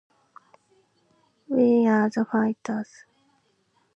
We are the fighters.